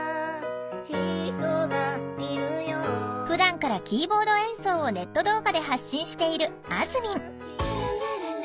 ふだんからキーボード演奏をネット動画で発信しているあずみん。